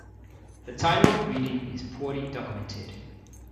The time of breeding is poorly documented.